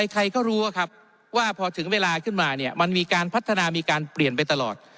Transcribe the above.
ใครก็รู้ว่าพอถึงเวลาขึ้นมาเนี่ยมันมีการพัฒนามีการเปลี่ยนไปตลอด